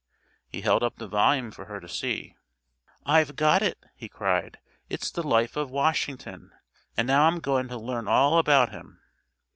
He held up the volume for her to see. "I've got it!" he cried. "It's the 'Life of Washington,' and now I'm goin' to learn all about him."